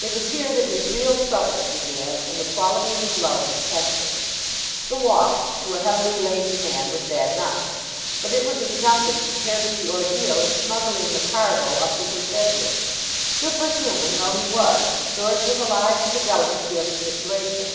It was here that his real troubles began and the quality of his love was tested. The walk, to a heavily laden man, was bad enough; but it was as nothing compared with the ordeal of smuggling the cargo up to his bedroom. Superhuman though he was, George was alive to the delicacy of the situation.